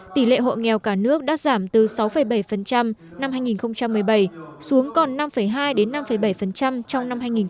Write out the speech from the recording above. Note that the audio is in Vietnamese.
tỷ lệ hộ nghèo cả nước đã giảm từ sáu bảy năm hai nghìn một mươi bảy xuống còn năm hai đến năm năm